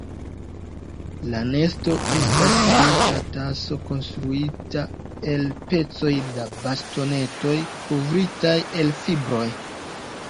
La nesto estas simpla taso konstruita el pecoj da bastonetoj kovritaj el fibroj.